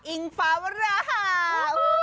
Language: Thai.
อิงฟ้าวราฮะ